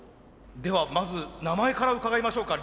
ではまず名前から伺いましょうか。